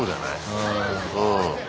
うん。